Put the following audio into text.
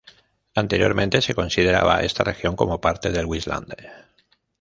Anteriormente, se consideraba a esta región como parte del Vestlandet.